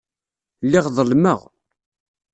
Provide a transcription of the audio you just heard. Lliɣ ḍelmeɣ.